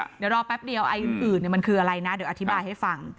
เดี๋ยวรอแป๊บเดียวไออื่นมันคืออะไรนะเดี๋ยวอธิบายให้ฟัง